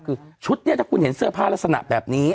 คือชุดนี้ถ้าคุณเห็นเสื้อผ้าลักษณะแบบนี้